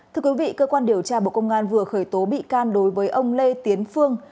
thưa quý vị cơ quan điều tra bộ công an vừa khởi tố bị can đối với ông lê tiến phương